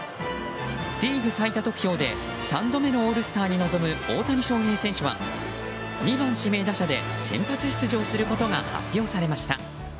リーグ最多得票で３度目のオールスターに臨む大谷翔平選手は２番指名打者で先発出場することが発表されました。